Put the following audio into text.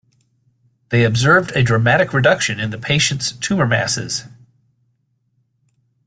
They observed a dramatic reduction in the patient's tumor masses.